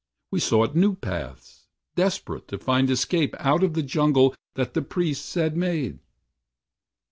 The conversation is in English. We sought new paths, deperate to find escape Out of the jungle that the priest had made.